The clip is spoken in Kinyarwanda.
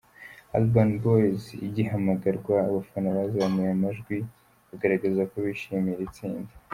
Urban Boyz igihamagarwa, abafana bazamuye amajwi bagaragaza ko bishimiye iri tsinda.